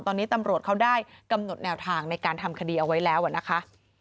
ตอนนี้ตำรวจเขาได้กำหนดแนวทางในการทำคดีเอาไว้แล้วนะคะ